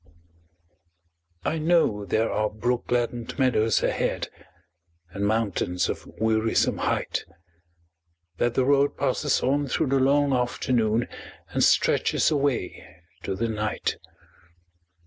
I know there are brook gladdened meadows ahead, And mountains of wearisome height; That the road passes on through the long afternoon And stretches away to the night.